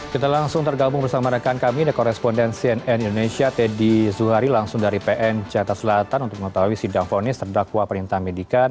kita langsung tergabung bersama rekan kami the koresponden cnn indonesia teddy zuhari langsung dari pn jakarta selatan untuk mengetahui sidang fonis terdakwa perintah medica